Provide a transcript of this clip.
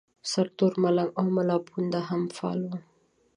سرتور ملنګ او ملاپوونده هم فعال وو.